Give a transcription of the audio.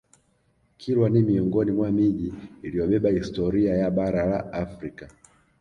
Kilwa ni miongoni mwa miji iliyobeba historia ya Bara la Afrika